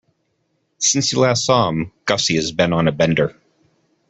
Since you last saw him, Gussie has been on a bender.